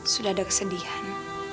sudah ada kesedihan